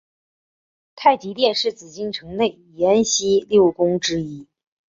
太极殿是紫禁城内廷西六宫之一。